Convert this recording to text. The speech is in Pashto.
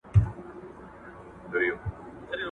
سل روپۍ پور که، یو زوی کابل کي لوی کړه